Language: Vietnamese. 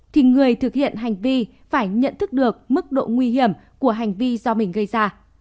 thì người thực hiện hành vi phải nhận thức được mức độ nguy hiểm của hành vi do mình gây ra